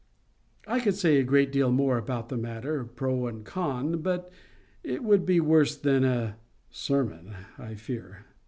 I could say a great deal more about the matter, pro and con, but it would be worse than a sermon, I fear.